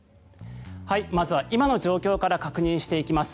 まずは今の状況から確認していきます。